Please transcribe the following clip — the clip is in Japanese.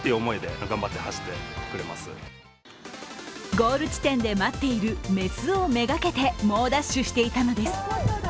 ゴール地点で待っている雌を目がけて猛ダッシュしていたのです。